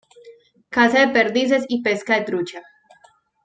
Caza de perdices y pesca de trucha.